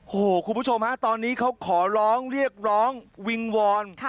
โอ้โหคุณผู้ชมฮะตอนนี้เขาขอร้องเรียกร้องวิงวอน